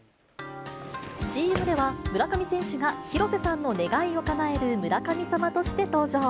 ＣＭでは、村上選手が広瀬さんの願いをかなえる村神様として登場。